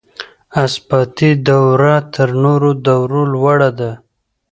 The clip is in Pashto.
اثباتي دوره تر نورو دورو لوړه ده.